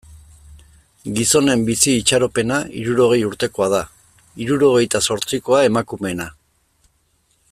Gizonen bizi itxaropena hirurogei urtekoa da, hirurogeita zortzikoa emakumeena.